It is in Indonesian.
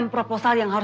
pertama bang bor